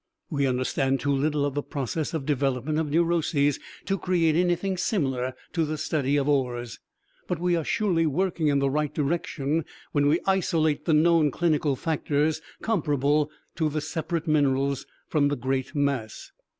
We understand too little of the process of development of neuroses, to create anything similar to the study of ores. But we are surely working in the right direction when we isolate the known clinical factors, comparable to the separate minerals, from the great mass.